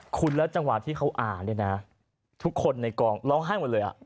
คุณแล้วจังหวะที่เขาอ่านเนี่ยนะทุกคนในกองร้องไห้หมดเลยอ่ะ